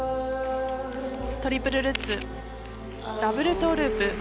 トリプルルッツダブルトーループ。